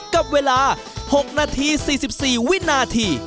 กับเวลา๖นาที๔๔วินาที